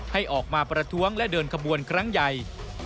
ให้ออกมาประท้วงและเดินขบวนครั้งใหญ่